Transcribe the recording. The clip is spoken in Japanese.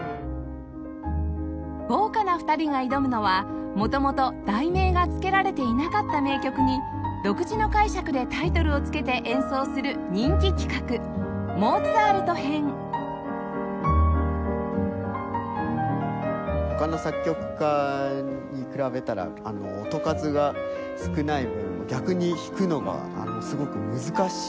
豪華な２人が挑むのは元々題名がつけられていなかった名曲に独自の解釈でタイトルをつけて演奏する人気企画モーツァルト編他の作曲家に比べたら音数が少ない分逆に弾くのがすごく難しい。